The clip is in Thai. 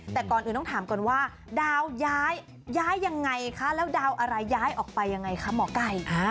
แต่ก่อนอื่นต้องถามก่อนว่าดาวย้ายย้ายยังไงคะแล้วดาวอะไรย้ายออกไปยังไงคะหมอไก่